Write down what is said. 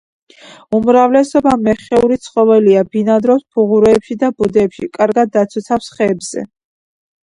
უმრავლესობა მეხეური ცხოველია, ბინადრობს ფუღუროებში და ბუდეებში, კარგად დაცოცავს ხეებზე.